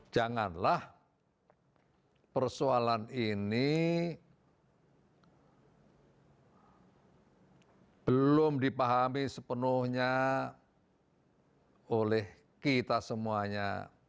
janganlah persoalan ini belum dipahami sepenuhnya oleh kita semuanya